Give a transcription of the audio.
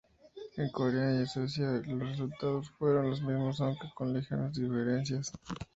En Corea y Suecia, los resultados fueron los mismos, aunque con ligeras diferencias.